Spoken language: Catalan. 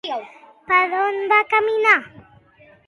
Per on van caminar?